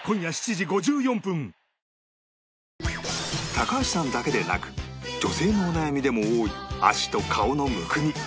高橋さんだけでなく女性のお悩みでも多い足と顔のむくみ